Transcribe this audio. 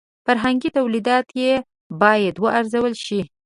فرهنګي تولیدات یې باید وارزول شي.